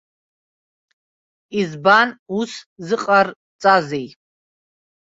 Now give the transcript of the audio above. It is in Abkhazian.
Избан, ус зыҟарҵазеи?